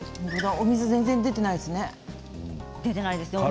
お水が全然出ていないですね。